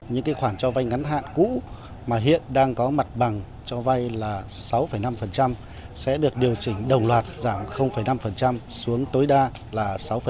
những khoản cho vay ngắn hạn cũ mà hiện đang có mặt bằng cho vay là sáu năm sẽ được điều chỉnh đồng loạt giảm năm xuống tối đa là sáu